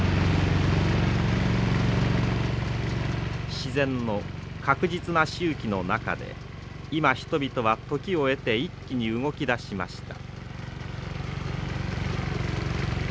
自然の確実な周期の中で今人々は時を得て一気に動き出しました。